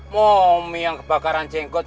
mami yang kebakaran jenggot